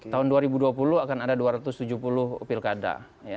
tahun dua ribu dua puluh akan ada dua ratus tujuh puluh pilkada